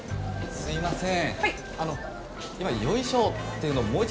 すみません。